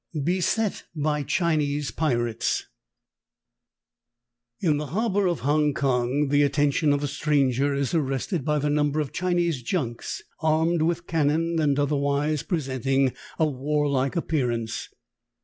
BESET BY CHINESE PIRATES, N the harbor of Hong Kong the attention of the stranger is arrested by the number of Chinese junks armed with cannon and otherwise pre senting a warlike appear ance.